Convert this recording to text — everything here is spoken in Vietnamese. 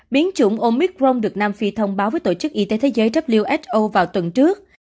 biến chủng omicron được nam phi thông báo với tổ chức y tế thế giới vào tuần trước